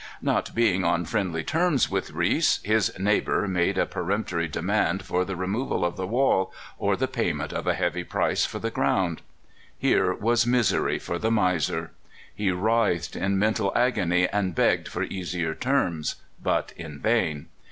Not being on MIKE REESE. 24T friendly terms with Reese, his neighbor made a peremptory demand for the removal of the wall, or the payment of a heavy price for the ground. Here was misery for the miser. He writhed in mental agony, and begged for easier terms, but in vain.